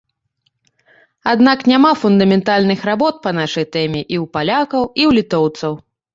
Аднак няма фундаментальных работ па нашай тэме і ў палякаў, і ў літоўцаў.